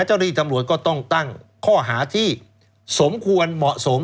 เจ้าหน้าที่ตำรวจก็ต้องตั้งข้อหาที่สมควรเหมาะสม